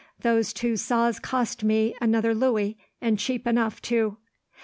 Those two saws cost me another louis, and cheap enough, too.